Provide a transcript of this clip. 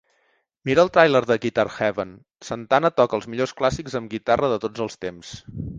Mira el tràiler de Guitar Heaven: Santana toca els millors clàssics amb guitarra de tots els temps